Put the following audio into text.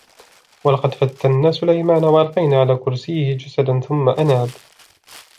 وَلَقَدْ فَتَنَّا سُلَيْمَانَ وَأَلْقَيْنَا عَلَى كُرْسِيِّهِ جَسَدًا ثُمَّ أَنَابَ